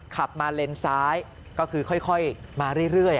ขับมาเลนซ้ายก็คือค่อยมาเรื่อย